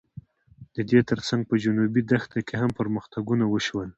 د دې تر څنګ په جنوبي دښته کې هم پرمختګونه وشول.